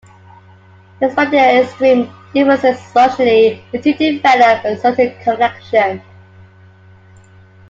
Despite their extreme differences socially, the two develop a certain connection.